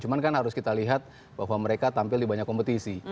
cuma kan harus kita lihat bahwa mereka tampil di banyak kompetisi